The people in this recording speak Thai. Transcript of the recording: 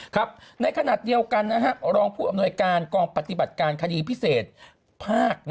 ครับในขณะเดียวกันรองผู้อำนวยการกองปฏิบัติการคดีพิเศษภาค